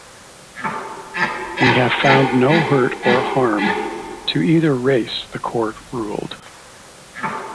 "We have found no hurt or harm to either race," the court ruled.